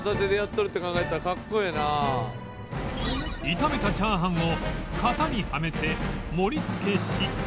炒めた炒飯を型にはめて盛り付けし